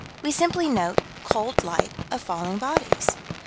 We simply note cold light of falling bodies.